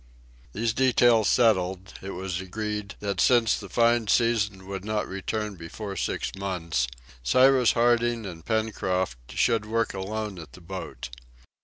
These details settled, it was agreed that since the fine season would not return before six months, Cyrus Harding and Pencroft should work alone at the boat.